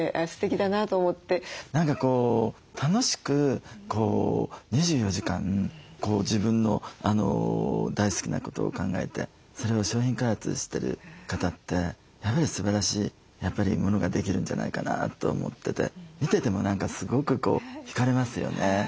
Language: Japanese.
何かこう楽しく２４時間自分の大好きなことを考えてそれを商品開発してる方ってやっぱりすばらしいものができるんじゃないかなと思ってて見てても何かすごく引かれますよね。